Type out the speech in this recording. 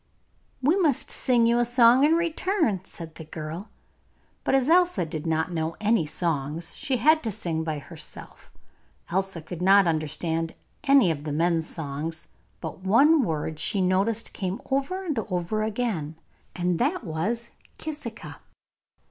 'We must sing you a song in return,' said the girl, but as Elsa did not know any songs, she had to sing by herself. Elsa could not understand any of the men's songs, but one word, she noticed, came over and over again, and that was 'Kisika.